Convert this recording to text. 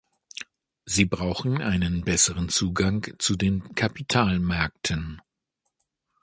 Sie brauchen einen besseren Zugang zu den Kapitalmärkten.